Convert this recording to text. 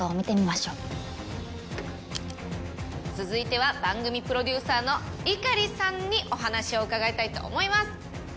続いては番組プロデューサーの碇さんにお話を伺いたいと思います。